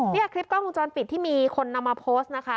นี่คลิปกล้องวงจรปิดที่มีคนนำมาโพสต์นะคะ